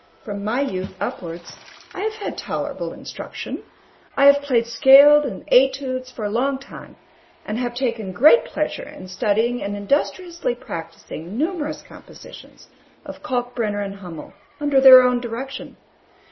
From my youth upwards, I have had tolerable instruction. I have played scales and études for a long time; and have taken great pleasure in studying and industriously practising numerous compositions of Kalkbrenner and Hummel, under their own direction.